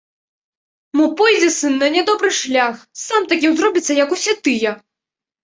Мо пойдзе сын на нядобры шлях, сам такім зробіцца, як усе тыя.